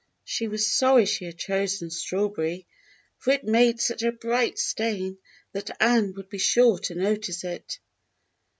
She was sorry she had chosen strawberry, for it made such a bright stain that Ann would be sure to notice it.